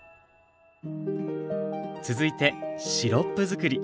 続いてシロップづくり。